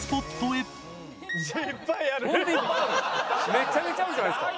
めちゃめちゃあるじゃないですか。